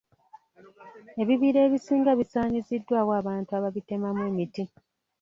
Ebibira ebisinga bisaanyiziddwawo abantu ababitemamu emiti.